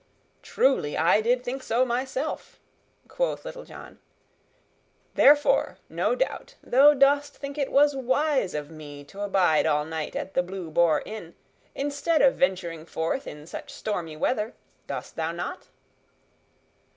"Truly, I did think so myself," quoth Little John, "therefore, no doubt, thou dost think it was wise of me to abide all night at the Blue Boar Inn, instead of venturing forth in such stormy weather; dost thou not?"